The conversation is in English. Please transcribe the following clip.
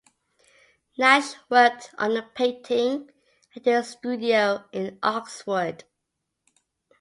Nash worked on the painting at his studio in Oxford.